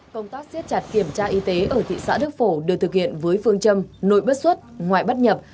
công tác xét chặt kiểm tra y tế ở thị xã đức phổ được thực hiện với phương châm nội bất xuất ngoại bất nhập